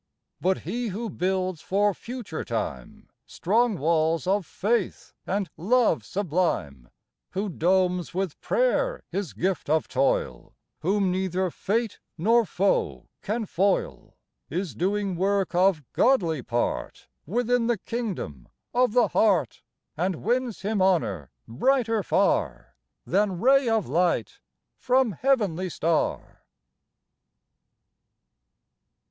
But he who builds for future time Strong walls of faith and love sublime, Who domes with prayer his gift of toil. Whom neither fate nor foe can foil. Is doing work of godly part Within the kingdom of the heart. And wins him honor brighter far Than ray of light from heavenly star